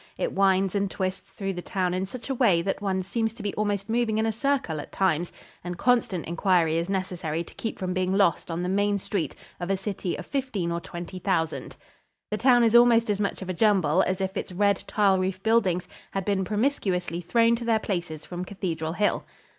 It winds and twists through the town in such a way that one seems to be almost moving in a circle at times and constant inquiry is necessary to keep from being lost on the main street of a city of fifteen or twenty thousand. The town is almost as much of a jumble as if its red, tile roof buildings had been promiscuously thrown to their places from Cathedral Hill.